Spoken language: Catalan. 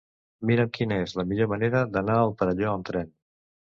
Mira'm quina és la millor manera d'anar al Perelló amb tren.